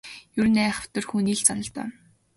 Ер нь айхавтар л хүний зан даа.